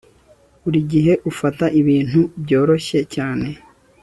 Buri gihe ufata ibintu byoroshye cyane